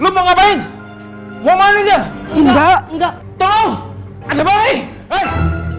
lu mau ngapain mau maninya enggak enggak tolong ada balik